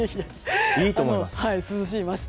いいと思います。